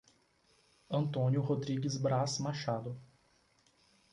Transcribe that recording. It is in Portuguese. Antônio Rodrigues Braz Machado